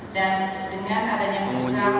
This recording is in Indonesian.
dan dengan adanya usaha